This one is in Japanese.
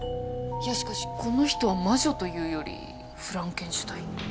いやしかしこの人は魔女というよりフランケンシュタイン。